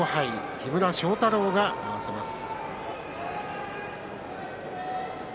木村庄太郎が合わせます。